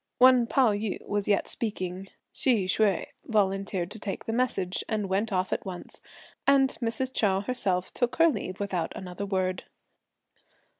While Pao yü was yet speaking, Hsi Hsüeh volunteered to take the message, and went off at once; and Mrs. Chou herself took her leave without another word.